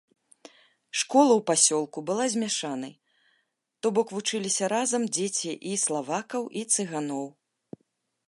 Школа ў пасёлку была змяшанай, то бок вучыліся разам дзеці і славакаў, і цыганоў.